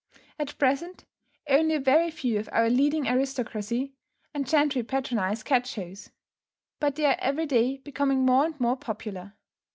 At present, only a very few of our leading aristocracy, and gentry patronize cat shows. But they are every day becoming more and more popular.